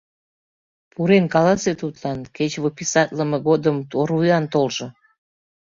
Пурен каласе тудлан, кеч выписатлыме годым орвуян толжо.